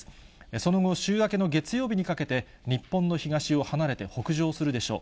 その後、週明けの月曜日にかけて、日本の東を離れて北上するでしょう。